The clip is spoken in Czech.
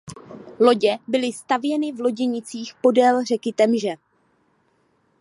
Lodě byly stavěny v loděnicích podél řeky Temže.